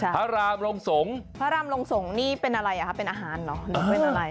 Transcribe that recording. พระรามลงสงพระรามลงสงนี่เป็นอะไรเป็นอาหารเหรอ